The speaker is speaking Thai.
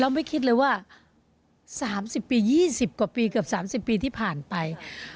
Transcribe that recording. ไม่คิดเลยว่า๓๐ปี๒๐กว่าปีเกือบ๓๐ปีที่ผ่านไป